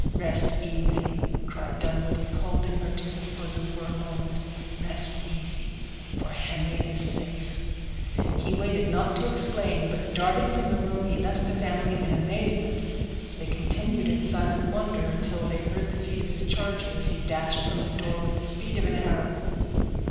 "Rest easy," cried Dunwoodie, holding her to his bosom for a moment, "rest easy, for Henry is safe." He waited not to explain, but darting from the room, he left the family in amazement. They continued in silent wonder until they heard the feet of his charger, as he dashed from the door with the speed of an arrow.